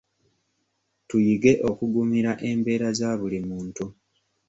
Tuyige okugumira embeera za buli muntu.